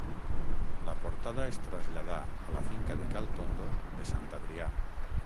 La portada es traslladà a la finca de cal Tondo de Sant Adrià.